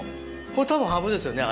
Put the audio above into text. これたぶんハブですよね